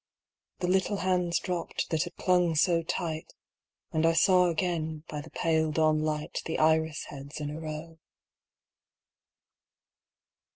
The little hands dropped that had clung so tight, And I saw again by the pale dawnlightThe iris heads in a row.